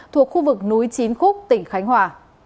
thuộc khu vực núi chín khúc tỉnh khánh hòa